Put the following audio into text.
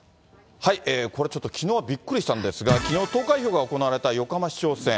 これちょっときのうびっくりしたんですが、きのう、投開票が行われた横浜市長選。